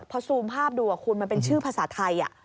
พอซูมภาพดูคุณมันเป็นชื่อภาษาไทย